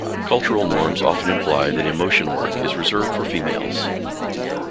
Cultural norms often imply that emotion work is reserved for females.